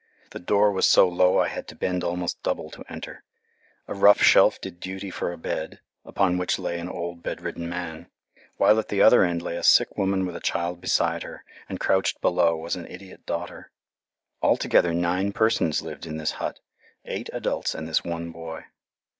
The door was so low I had to bend almost double to enter. A rough shelf did duty for a bed, upon which lay an old bedridden man, while at the other end lay a sick woman with a child beside her, and crouched below was an idiot daughter. Altogether nine persons lived in this hut, eight adults and this one boy.